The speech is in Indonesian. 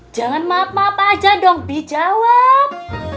jangan maaf maaf aja dong dijawab